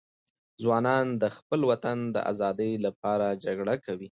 ځوانان د خپل وطن د آزادۍ لپاره جګړه کوي.